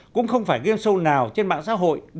cũng không phải game show nào trên mạng xã hội